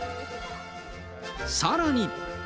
さらに。